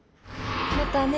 またね